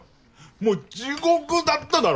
もう地獄だっただろ？